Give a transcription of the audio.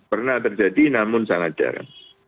pernah terjadi namun sangat jarang